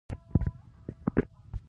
د نورو افغانانو د قهر او غضب په قاموس کې.